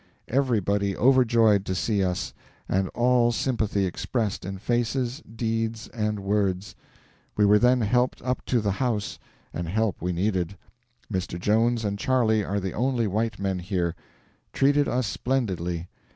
Everybody overjoyed to see us, and all sympathy expressed in faces, deeds, and words. We were then helped up to the house; and help we needed. Mr. Jones and Charley are the only white men here. Treated us splendidly.